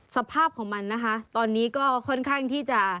สภาพของมันนะคะตอนนี้ก็ค่อนข้างที่จะ